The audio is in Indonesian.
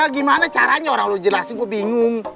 gimana caranya orang lu jelasin gua bingung